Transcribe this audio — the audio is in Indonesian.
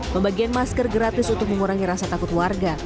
pembagian masker gratis untuk mengurangi rasa takut warga